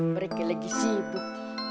mereka lagi sibuk